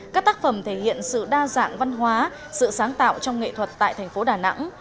các tác phẩm thể hiện sự đa dạng văn hóa sự sáng tạo trong nghệ thuật tại thành phố đà nẵng